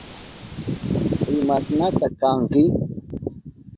¿Imashnata kanki?